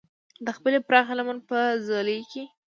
د خپلې پراخې لمن په ځولۍ کې.